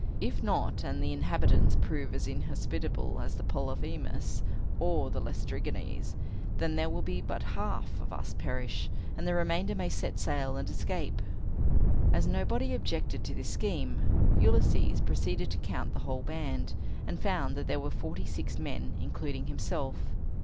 If not, and if the inhabitants prove as inhospitable as Polyphemus, or the Laestrygons, then there will but half of us perish, and the remainder may set sail and escape." As nobody objected to this scheme, Ulysses proceeded to count the whole band, and found that there were forty six men, including himself.